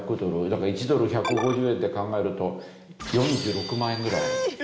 だから１ドル１５０円で考えると４６万円ぐらい。